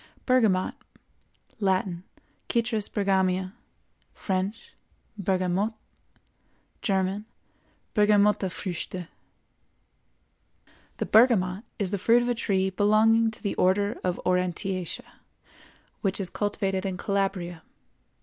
BERGAMOT. Latin—Citrus Bergamia; French—Bergamote; German—Bergamottefrüchte. The bergamot is the fruit of a tree belonging to the Order of Aurantiaceæ, which is cultivated in Calabria.